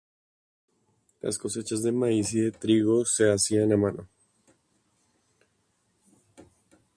Las cosechas de maíz y de trigo se hacían a mano.